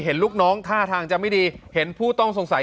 เห็นลูกน้องท่าทางจะไม่ดีเห็นผู้ต้องสงสัย